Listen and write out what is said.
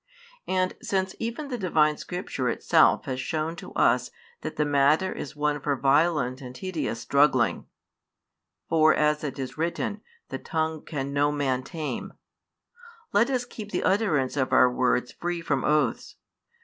And since even the Divine Scripture itself has shown to us that the matter is one for violent and tedious struggling for, as it is written, the tongue can no man tame, let us keep the utterance of our words free from oaths.